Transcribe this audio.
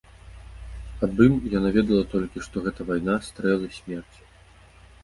Аб ім яна ведала толькі, што гэта вайна, стрэлы, смерць.